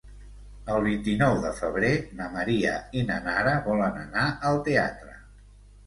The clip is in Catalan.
El vint-i-nou de febrer na Maria i na Nara volen anar al teatre.